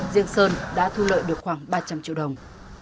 riêng sơn đã thu lợi được khoảng ba trăm linh triệu đồng